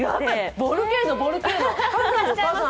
ボルケーノ、ボルケーノ。